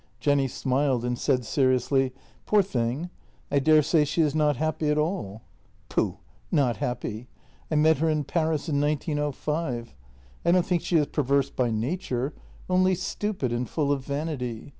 Jenny smiled, and said seriously: " Poor thing, I daresay she is not happy at all." "Pooh! not happy. I met her in Paris in 1905. I don't think she is perverse by nature — only stupid and full of vanity.